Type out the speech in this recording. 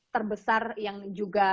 terbesar yang juga